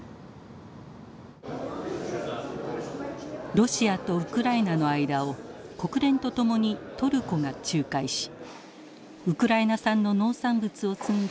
ロシアとウクライナの間を国連と共にトルコが仲介しウクライナ産の農産物を積んだ